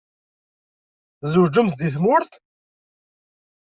Tzewǧemt deg tmurt?